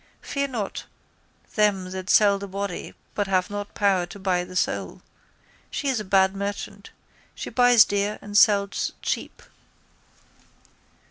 Fear not them that sell the body but have not power to buy the soul. She is a bad merchant. She buys dear and sells cheap.